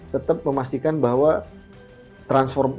tetap memastikan bahwa transformasi